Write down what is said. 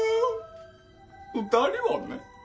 ２人はね